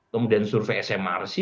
kemudian survei smrc